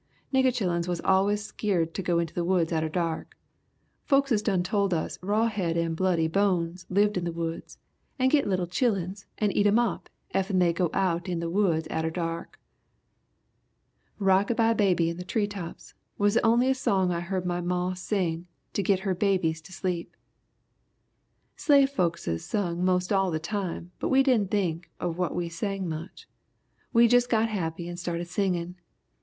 Nigger chilluns was allus skeered to go in the woods atter dark. Folkses done told us Raw Head and Bloody Bones lived in the woods and git little chilluns and eat 'em up effen they got out in the woods atter dark! "'Rockabye baby in the tree trops' was the onliest song I heard my maw sing to git her babies to sleep. Slave folkses sung most all the time but we didn' think of what we sang much. We jus' got happy and started singin'.